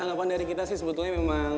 anggapan dari kita sih sebetulnya memang